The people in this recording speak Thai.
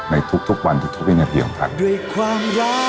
ในทุกวันทุกวินาทีของท่าน